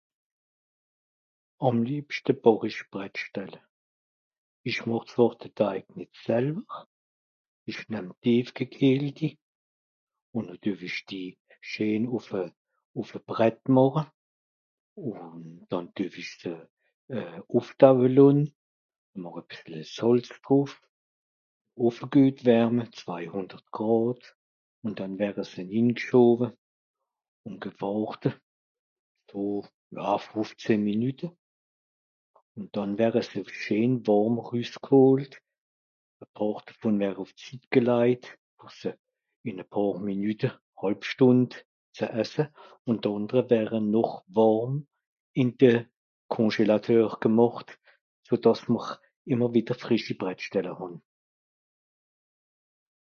Àm liebschte bàch i Brettschelle. Ìch màch zwàr de Teig nìt selwer, ìch nemm e Tìefgekälti, ùn noh düe-w-i sie schén ùff e... ùff e Brett màche. Ùn dànn düe-w-i se (...) lonn, màch e bìssel Sàlz drùff, ùff güet wärme zwei hùndert Gràd, ùn dànn wère se ningschowe, ùn gewàrte, ja fùffzehn Minütte, ùn dànn wère se schén wàrm rüssgholt, (...) ùff d'Sitt gelajt, àss se ìn e pààr Minüte, hàlbstùnd, ze esse, ùn dànn ùn dànn wère noch wàrm ìn de Congelateur gemàcht, fer dàss mr ìmmer wìdder frìschi Brettstelle hàn.